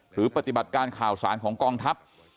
หรือปฏิบัติการข่าวสารของกองทัพ